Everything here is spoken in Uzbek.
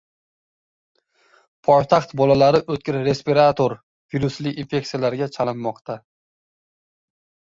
Poytaxt bolalari o‘tkir respirator virusli infeksiyalarga chalinmoqda